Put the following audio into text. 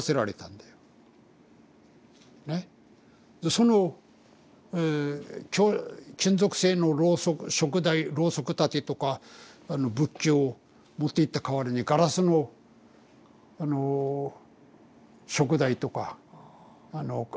その金属製のろうそくしょく台ろうそく立てとか仏器を持っていった代わりにガラスのしょく台とか花瓶とか置いてったんだよ。